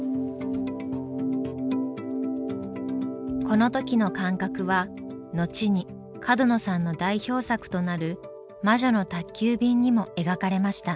この時の感覚は後に角野さんの代表作となる「魔女の宅急便」にも描かれました。